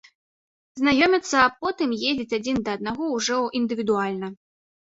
Знаёмяцца, а потым ездзяць адзін да аднаго ўжо індывідуальна.